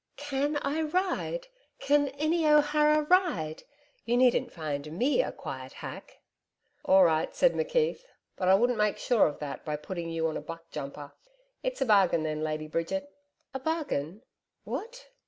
'CAN I ride Can any O'Hara ride! You needn't find ME a quiet hack.' 'All right,' said McKeith. 'But I wouldn't make sure of that by putting you on a buckjumper. It's a bargain then, Lady Bridget.' 'A bargain what?'